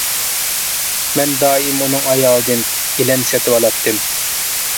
مەن دائىم ئۇنىڭ ئايالىدىن گىلەم سېتىۋالاتتىم.